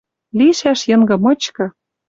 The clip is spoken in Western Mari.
Лишӓш Йынгы мычкы